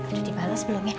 udah dibalas belum ya